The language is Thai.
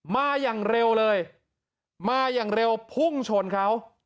มาอย่างเร็วเลยมาอย่างเร็วพุ่งชนเขา